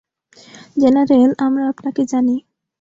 General, আমরা আপনাকে জানি।